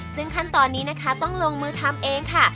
ซึ่งขั้นตอนนี้นะคะต้องลงมือทำเองค่ะ